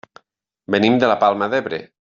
Venim de la Palma d'Ebre.